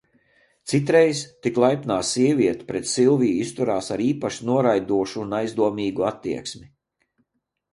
Citreiz tik laipnā sieviete pret Silviju izturas ar īpaši noraidošu un aizdomīgu attieksmi.